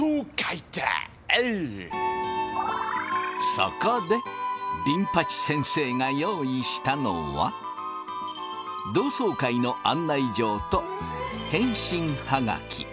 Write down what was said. そこでビン八先生が用意したのは同窓会の案内状と返信ハガキ。